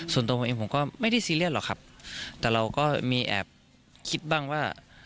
ส่วนตัวผมเองผมก็ไม่ได้ซีเรียสหรอกครับแต่เราก็มีแอบคิดบ้างว่า